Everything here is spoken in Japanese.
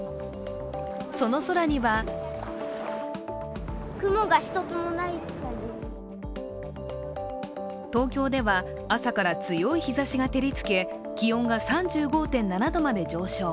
その空には東京では朝から強い日ざしが照りつけ、気温が３５．７度まで上昇。